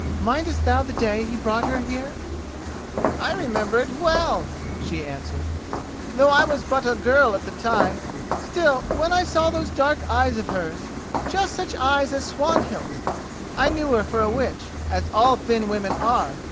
Mindest thou the day he brought her here?" "I remember it well," she answered, "though I was but a girl at the time. Still, when I saw those dark eyes of hers—just such eyes as Swanhild's!—I knew her for a witch, as all Finn women are.